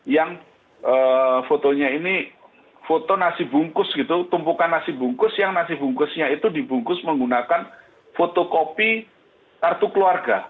yang fotonya ini foto nasi bungkus gitu tumpukan nasi bungkus yang nasi bungkusnya itu dibungkus menggunakan fotokopi kartu keluarga